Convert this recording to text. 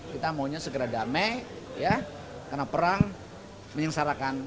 kita maunya segera damai karena perang menyengsarakan